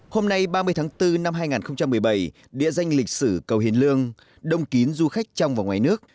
hôm nay ba mươi tháng bốn năm hai nghìn một mươi bảy địa danh lịch sử cầu hiền lương đông kín du khách trong và ngoài nước